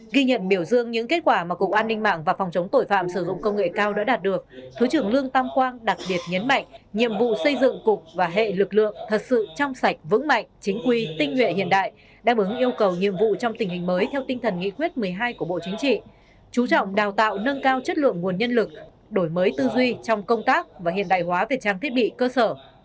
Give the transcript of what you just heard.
ghi nhận biểu dương những kết quả mà cục an ninh mạng và phòng chống tội phạm sử dụng công nghệ cao đã đạt được thứ trưởng lương tam quang đặc biệt nhấn mạnh nhiệm vụ xây dựng cục và hệ lực lượng thật sự trong sạch vững mạnh chính quy tinh nguyện hiện đại đáp ứng yêu cầu nhiệm vụ trong tình hình mới theo tinh thần nghị khuyết một mươi hai của bộ chính trị chú trọng đào tạo nâng cao chất lượng nguồn nhân lực đổi mới tư duy trong công tác và hiện đại hóa về trang thiết bị cơ sở